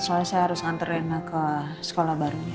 soalnya saya harus ngantar rena ke sekolah baru